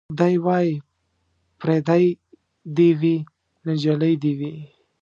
دی وايي پرېدۍ دي وي نجلۍ دي وي